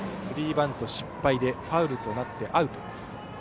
スリーバント失敗でファウルとなってアウト。